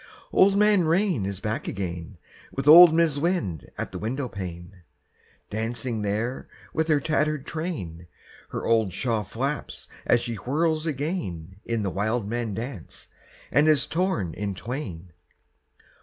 Old Man Rain is back again, With old Mis' Wind at the windowpane, Dancing there with her tattered train: Her old shawl flaps as she whirls again In the wildman dance and is torn in twain.